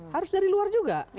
harus dari luar juga